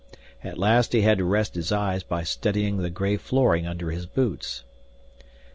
At last he had to rest his eyes by studying the gray flooring under his boots.